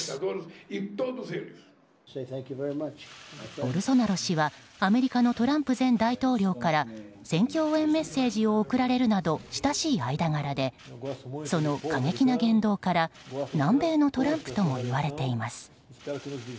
ボルソナロ氏はアメリカのトランプ前大統領から選挙応援メッセージを送られるなど、親しい間柄でその過激な言動から南米のトランプともいわれています。